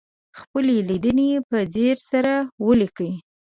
خپلې لیدنې په ځیر سره ولیکئ.